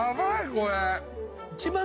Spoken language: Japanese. これ。